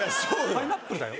パイナップルだよ？